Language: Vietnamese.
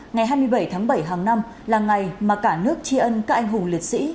ngày hai mươi bảy tháng bảy hàng năm là ngày mà cả nước tri ân các anh hùng liệt sĩ